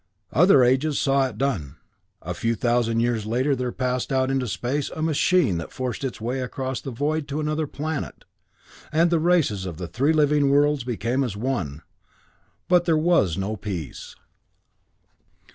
"Other ages saw it done a few thousand years later there passed out into space a machine that forced its way across the void to another planet! And the races of the three living worlds became as one but there was no peace.